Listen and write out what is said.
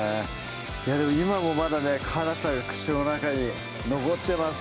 いやでも今もまだね辛さが口の中に残ってます